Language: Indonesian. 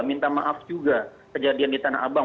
minta maaf juga kejadian di tanah abang